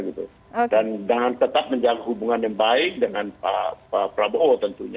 dan tetap menjalankan hubungan yang baik dengan pak prabowo tentunya